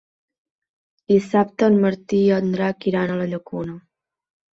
Dissabte en Martí i en Drac iran a la Llacuna.